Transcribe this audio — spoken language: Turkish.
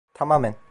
Tamamen.